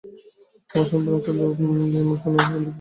আমার স্বামী বললেন, চলো বিমল, শুনে আসি সন্দীপ কী বলে।